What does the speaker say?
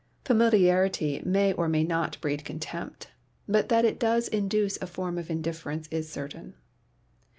Familiarity may or may not breed contempt, but that it does induce a form of indifference is certain.